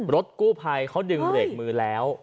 รถกู้ภัยเขาดึงเบรกมือแล้ว